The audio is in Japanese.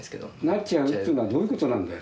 なっちゃうってのはどういうことなんだよ。